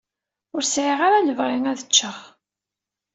Ur sɛiɣ ara lebɣi ad ččeɣ.